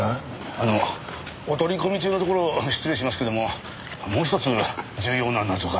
あのお取り込み中のところ失礼しますけどももうひとつ重要な謎が。